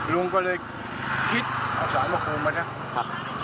ลุงก็เลยคิดเอาสารบังคลุมมาด้วย